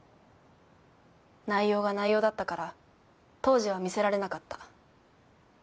内容が内容だったから当時は見せられなかった。